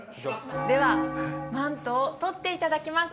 ではマントを取っていただきます